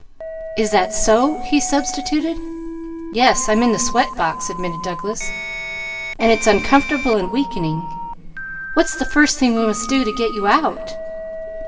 "Is that so?" he substituted. "Yes, I'm in the sweat box," admitted Douglas. "And it's uncomfortable and weakening. What's the first thing we must do to get you out?"